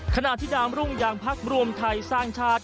ขณะที่ดามรุ่งอย่างพักรวมไทยสร้างชาติ